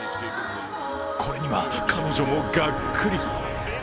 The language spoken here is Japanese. これには彼女もがっくり。